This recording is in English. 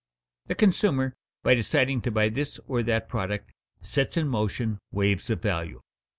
The consumer, by deciding to buy this or that product, sets in motion waves of value.